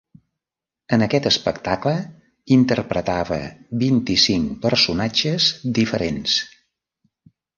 En aquest espectacle interpretava vint-i-cinc personatges diferents.